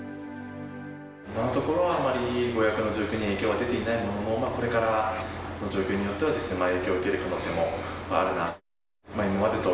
今のところはあまりご予約の状況に影響は出ていないものの、これからの状況によっては、影響を受ける可能性もあるなと。